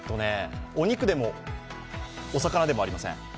お肉でもお魚でもありません。